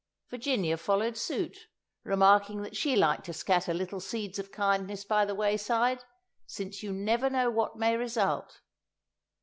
Virginia followed suit, remarking that she liked to scatter little seeds of kindness by the wayside, since you never know what may result.